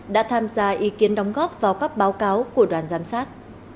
đã tham gia ý kiến đóng góp vào các báo cáo của đoàn giám sát